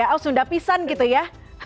aus sunda pisan gitu ya